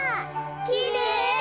きれい！